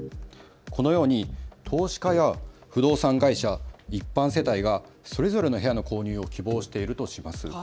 このように投資家や不動産会社、一般世帯がそれぞれの部屋の購入を希望しているとします。